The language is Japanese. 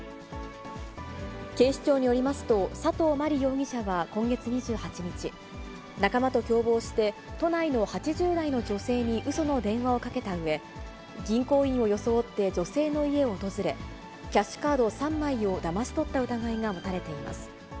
警視庁によりますと、佐藤真梨容疑者は今月２８日、仲間と共謀して、都内の８０代の女性にうその電話をかけたうえ、銀行員を装って女性の家を訪れ、キャッシュカード３枚をだまし取った疑いが持たれています。